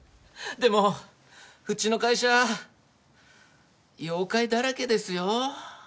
でもうちの会社妖怪だらけですよ。